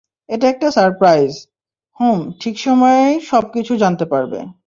এটা একটা সাইপ্রাইজ - হুম সঠিক সময়েই সব কিছু জানতে পারবে।